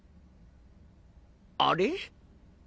あれ？